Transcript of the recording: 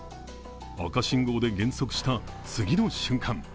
赤信号で減速した次の瞬間